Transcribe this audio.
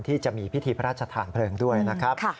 ที่จะมีพิธีพระราชทานเพลิงด้วยนะครับ